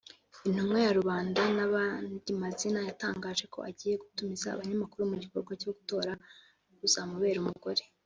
intumwa ya rubanda n’andi mazina yatangaje ko agiye gutumiza abanyamakuru mu gikorwa cyo gutora uzamubera umugore